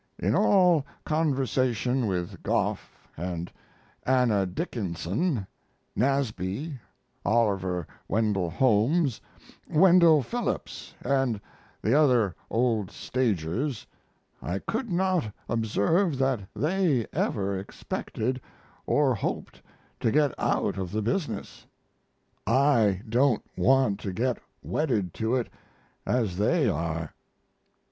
In all conversation with Gough, and Anna Dickinson, Nasby, Oliver Wendell Holmes, Wendell Phillips, and the other old stagers, I could not observe that they ever expected or hoped to get out of the business. I don't want to get wedded to it as they are.